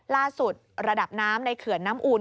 ล่าสุดระดับน้ำในเขื่อนน้ำอูน